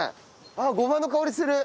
あっごまの香りする。